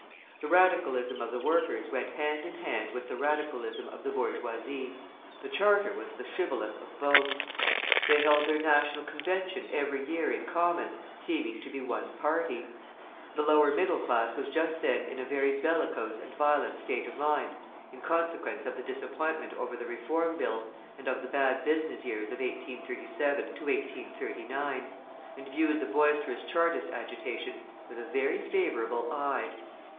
The Radicalism of the workers went hand in hand with the Radicalism of the bourgeoisie; the Charter was the shibboleth of both. They held their National Convention every year in common, seeming to be one party. The lower middle class was just then in a very bellicose and violent state of mind in consequence of the disappointment over the Reform Bill and of the bad business years of 1837 1839, and viewed the boisterous Chartist agitation with a very favourable eye.